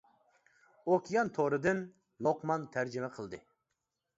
ئوكيان تورى دىن لوقمان تەرجىمە قىلدى.